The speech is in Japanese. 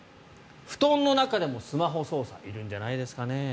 布団の中でもスマホを操作いるんじゃないですかね。